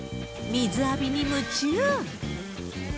水浴びに夢中。